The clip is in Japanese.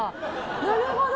なるほど！